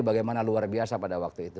bagaimana luar biasa pada waktu itu